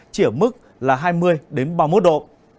chỉ ở mức là hai mươi ba mươi một độ